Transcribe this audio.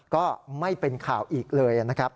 ก็ไม่เป็นข่าวอีกเลยนะครับ